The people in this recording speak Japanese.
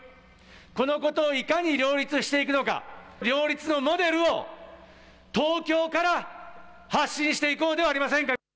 このことをいかに両立していくのか、両立のモデルを東京から発信していこうではありませんか。